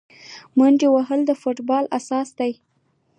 منډه وهل د فوټبال اساس دی.